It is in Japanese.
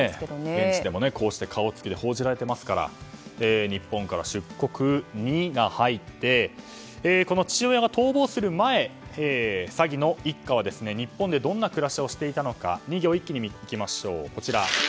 現地でも顔つきで報じられていますから日本から出国「ニ」が入ってこの父親が逃亡する前詐欺の一家は日本でどんな暮らしをしていたのか２行一気にいきましょう。